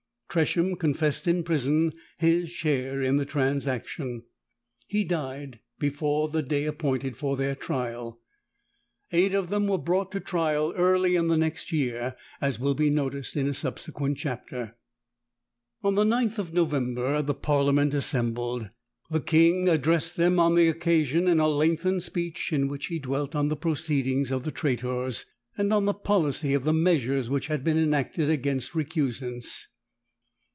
Tresham confessed in prison his share in the transaction. He died before the day appointed for their trial. Eight of them were brought to trial early in the next year, as will be noticed in a subsequent chapter. On the 9th of November the parliament assembled. The king addressed them on the occasion in a lengthened speech, in which he dwelt on the proceedings of the traitors, and on the policy of the measures which had been enacted against recusants.